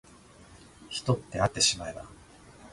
人ってあってしまえば